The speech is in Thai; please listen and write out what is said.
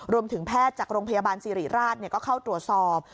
รวมถึงแพทย์จากโรงพยาบาลซีรีราชก็เข้าตรวจสอบ